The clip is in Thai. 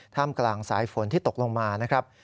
กลางสายฝนที่ตกลงมานะครับ